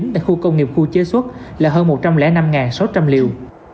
tại khu công nghiệp khu chế xuất là hơn một trăm linh năm sáu trăm linh liều